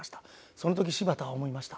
その時柴田は思いました。